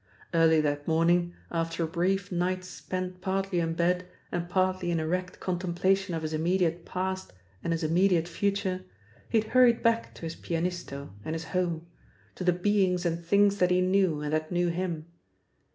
Early that morning, after a brief night spent partly in bed and partly in erect contemplation of his immediate past and his immediate future, he had hurried back to his pianisto and his home to the beings and things that he knew and that knew him.